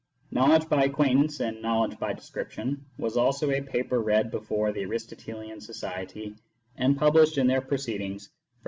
Knowledge by Acquaintance and Knowledge by Description " was also a paper read before the Aristotelian Society, and pub lished in their Proceedings for 1910 11.